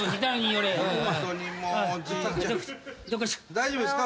大丈夫ですか？